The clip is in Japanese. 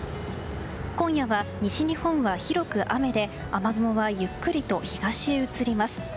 今夜は西日本は広く雨で雨雲はゆっくりと東へ移ります。